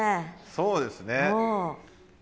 そうですね。